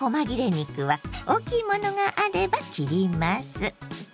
肉は大きいものがあれば切ります。